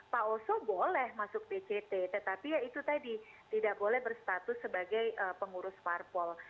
pak oso boleh masuk dct tetapi ya itu tadi tidak boleh berstatus sebagai pengurus parpol